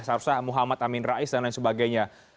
seharusnya muhammad amin rais dan lain sebagainya